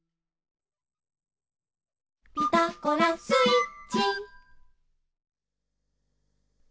「ピタゴラスイッチ」